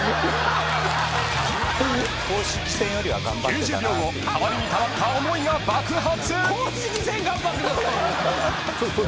［９０秒後たまりにたまった思いが爆発］